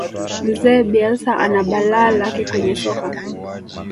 mzee bielsa ana balaa lake kwenye soka